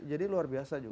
jadi luar biasa juga